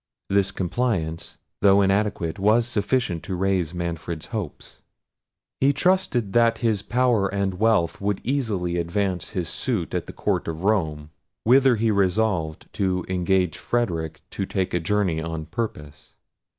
This compliance, though inadequate, was sufficient to raise Manfred's hopes. He trusted that his power and wealth would easily advance his suit at the court of Rome, whither he resolved to engage Frederic to take a journey on purpose.